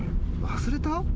忘れた？